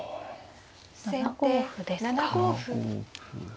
７五歩ですか。